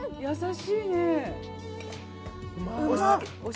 優しいね。